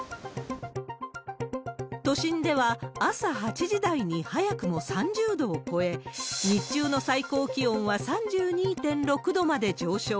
都心では、朝８時台に早くも３０度を超え、日中の最高気温は３２．６度まで上昇。